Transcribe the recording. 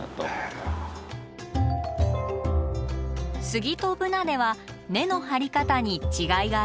スギとブナでは根の張り方に違いがあります。